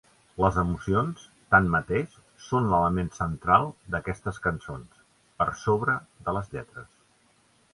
Les emocions, tanmateix, són l'element central d'aquestes cançons, per sobre de les lletres.